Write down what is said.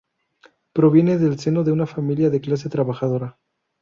Proviene del seno de una familia de clase trabajadora.